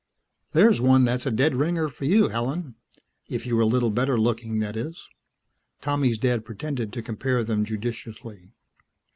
"There's one that's a dead ringer for you, Helen. If you were a little better looking, that is." Tommy's dad pretended to compare them judicially.